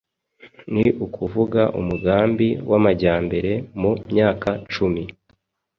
ni ukuvuga umugambi w'amajyambere mu myaka icumi.